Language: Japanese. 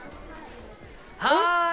はい！